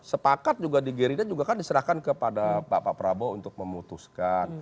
sepakat juga di gerindra juga kan diserahkan kepada pak prabowo untuk memutuskan